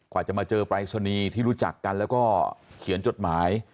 จะมาเจอปรายศนีย์ที่รู้จักกันแล้วก็เขียนจดหมาย